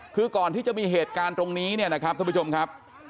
คือก่อนที่จะมีเหตุการณ์ตรงนี้เนี่ยนะครับท่านผู้ชมครับ